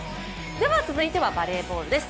続いてはバレーボールです。